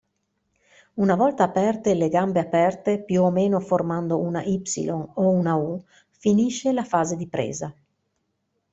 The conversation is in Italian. Una volta aperte le gambe aperte più o meno formando una "Y" o una "U", finisce la fase di presa.